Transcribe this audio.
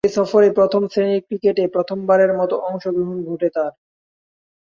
এ সফরেই প্রথম-শ্রেণীর ক্রিকেটে প্রথমবারের মতো অংশগ্রহণ ঘটে তার।